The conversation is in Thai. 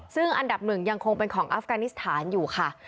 ซึ่งอันดับหนึ่งยังคงเป็นของอัฟกานิสถานอยู่ค่ะ